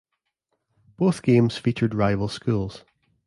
Both games featured rival schools.